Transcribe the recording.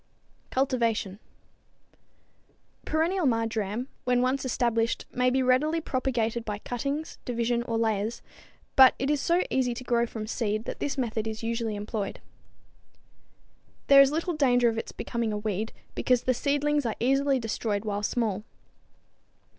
Cultivation. Perennial marjoram when once established may be readily propagated by cuttings, division or layers, but it is so easy to grow from seed that this method is usually employed. There is little danger of its becoming a weed, because the seedlings are easily destroyed while small.